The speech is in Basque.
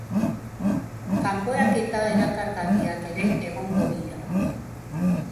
Kanporaketa erakargarriak ere egongo dira.